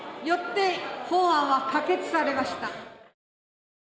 よって本案は可決されました。